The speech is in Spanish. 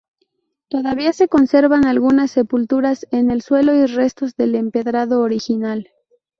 Todavía se conservan algunas sepulturas en el suelo y restos del empedrado original.